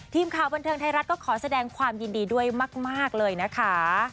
ทีมข่าวบันเทิงไทยรัฐก็ขอแสดงความยินดีด้วยมากเลยนะคะ